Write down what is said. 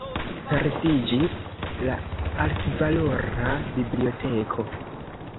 Perdiĝis la altvalora biblioteko.